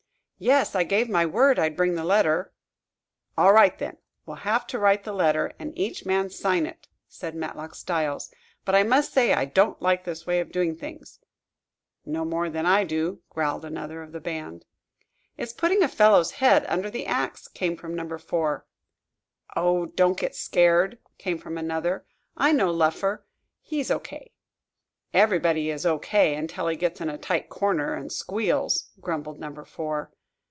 "Yes; I gave my word I'd bring the letter." "All right, then; we'll have to write the letter, and each man sign it," said Matlock Styles. "But, I must say, I don't like this way of doing things." "No more do I," growled another of the band. "It's putting a fellow's head under the axe," came from Number Four. "Oh, don't get scared!" came from another. "I know Luffer he's O.K." "Everybody is O.K. until he gets in a tight corner and squeals," grumbled Number Four.